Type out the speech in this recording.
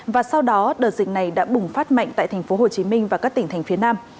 và sau đó đợt dịch này đã bùng phát mạnh tại thành phố hồ chí minh và các tỉnh thành phía nam